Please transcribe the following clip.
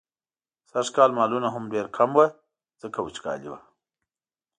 سږکال مالونه هم ډېر کم وو، ځکه وچکالي وه.